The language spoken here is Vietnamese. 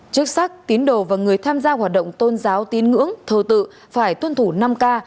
chức sắc tín đồ và người tham gia hoạt động tôn giáo tín ngưỡng thờ tự phải tuân thủ năm k